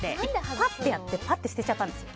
ぱってやってぱって捨てちゃったんです。